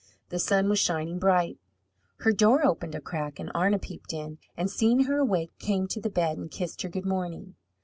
The sun was shining bright. Her door opened a crack and Arna peeped in, and seeing her awake, came to the bed and kissed her good morning.